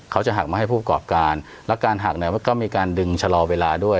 เขาจะหักมาให้ผู้ประกอบการแล้วการหักเนี่ยมันก็มีการดึงชะลอเวลาด้วย